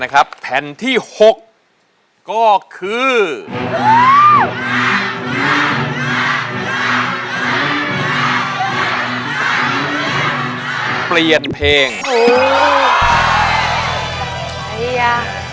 ท้ายนะ